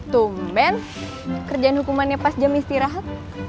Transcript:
tumben kerjaan hukumannya pas jam istirahat